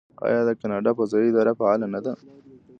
آیا د کاناډا فضایی اداره فعاله نه ده؟